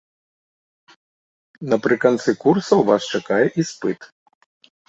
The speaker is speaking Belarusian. Напрыканцы курсаў вас чакае іспыт.